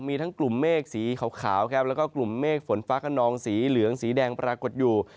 มีทั้งกลุ่มเมฆสีขาวครับแล้วก็กลุ่มเมฆฝนฟ้าขนองสีเหลืองสีแดงปรากฏอยู่